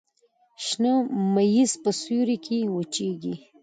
شنه ممیز په سیوري کې وچیږي.